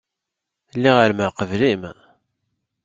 Lliɣ ɛelmeɣ qbel-im.